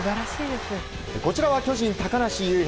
こちらは巨人、高梨雄平。